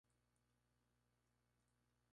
Algunos fanáticos criticaron la nueva banda sonora.